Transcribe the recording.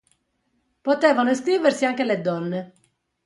Potevano iscriversi anche le donne.